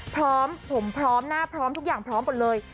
พร้อมผมพร้อมหน้าพร้อมทุกอย่างพร้อมหมดเลย